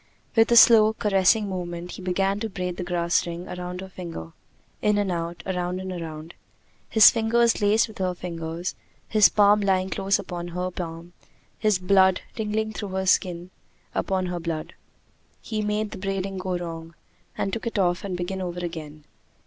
With a slow, caressing movement he began to braid the grass ring around her finger in and out, around and around, his fingers laced with her fingers, his palm lying close upon her palm, his blood tingling through the skin upon her blood. He made the braiding go wrong, and took it off and began over again.